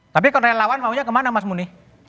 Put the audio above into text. tapi kalau relawan maunya kemana mas muni